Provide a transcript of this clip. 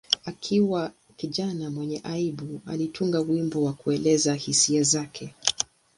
Akiwa kijana mwenye aibu, alitunga wimbo wa kuelezea hisia zake.